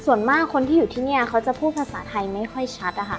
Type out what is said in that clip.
ส่วนมากคนที่อยู่ที่นี่เขาจะพูดภาษาไทยไม่ค่อยชัดนะคะ